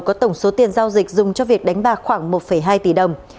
có tổng số tiền giao dịch dùng cho việc đánh bạc khoảng một hai tỷ đồng